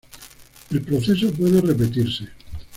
El proceso puede repetirse.